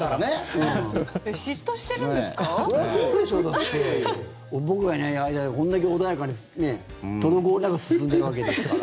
だって僕がいない間にこんだけ穏やかで滞りなく進んでたわけですから。